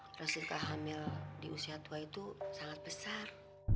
buka hamil di usia tua itu sangat besar